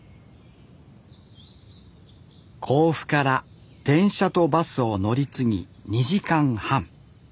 甲府から電車とバスを乗り継ぎ２時間半。